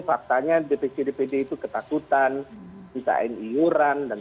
faktanya dpc dpd itu ketakutan misalnya inguran dan sebagainya